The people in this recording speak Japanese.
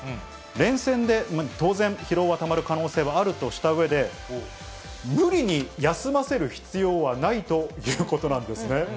連戦で、当然疲労がたまる可能性はあるとしたうえで、無理に休ませる必要はないということなんですね。